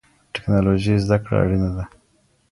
د ټکنالوژۍ زده کړه اړینه ده.